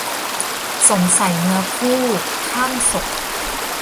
สงสัยเนื้อคู่ ข้ามศพ